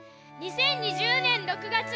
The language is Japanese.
２０２０年６月。